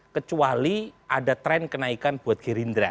kecuali ada tren kenaikan buat gerindra